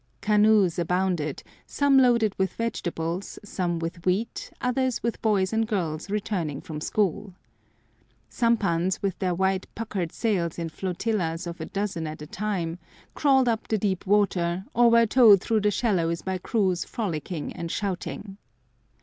Canoes abounded, some loaded with vegetables, some with wheat, others with boys and girls returning from school. Sampans with their white puckered sails in flotillas of a dozen at a time crawled up the deep water, or were towed through the shallows by crews frolicking and shouting.